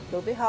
đối với họ